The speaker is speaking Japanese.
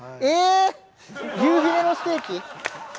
牛ヒレのステーキ？